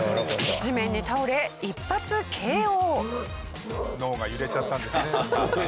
地面に倒れ一発ＫＯ。